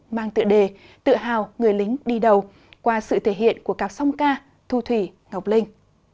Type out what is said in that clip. mang tựa đề tự hào người lính đi đầu qua sự thể hiện của cáp song ca thu thủy ngọc linh